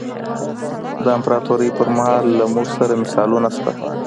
د امپراتورۍ پرمهال له موږ سره مثالونه شته.